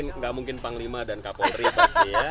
ya enggak mungkin panglima dan kapolri pasti ya